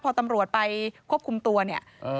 พอตำรวจไปควบคุมตัวเนี่ย